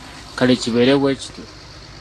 Kale kibeere bwe kityo.